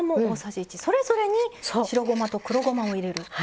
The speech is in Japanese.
それぞれに白ごまと黒ごまを入れる。